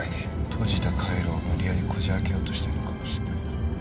閉じた回路を無理やりこじ開けようとしてるのかも。